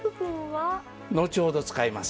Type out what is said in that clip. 後ほど使います。